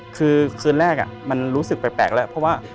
คือคืนแรกมันรู้สึกแปลกแล้วเพราะว่า